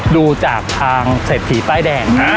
ดูจากทางเศรษฐีป้ายแดง